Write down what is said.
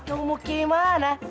kamu mau kemana